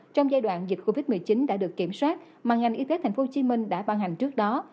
trong giai đoạn dịch covid một mươi chín đã được kiểm soát mà ngành y tế tp hcm đã ban hành trước đó